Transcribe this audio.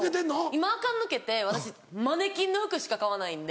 今あか抜けて私マネキンの服しか買わないんで。